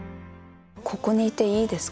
ここにいていいですか？